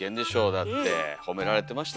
だって褒められてました